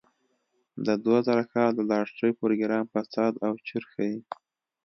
د دوه زره کال د لاټرۍ پروګرام فساد او چور ښيي.